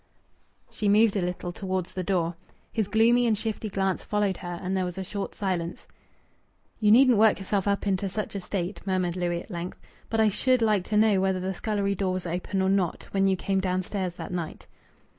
She moved a little towards the door. His gloomy and shifty glance followed her, and there was a short silence. "You needn't work yourself up into such a state," murmured Louis at length. "But I should like to know whether the scullery door was open or not, when you came downstairs that night?"